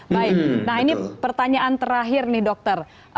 baik nah ini pertanyaan terakhir nih dokter